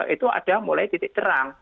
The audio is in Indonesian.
itu ada mulai titik terang